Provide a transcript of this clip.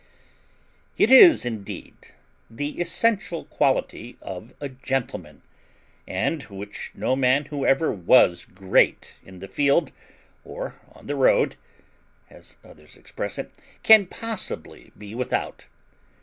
It is indeed the essential quality of a gentleman, and which no man who ever was great in the field or on the road (as others express it) can possibly be without.